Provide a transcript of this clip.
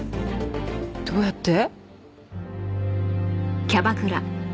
どうやって？